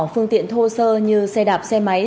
phương tiện thô sơ như xe đạp xe máy